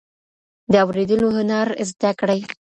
د اورېدلو هنر زده کړئ.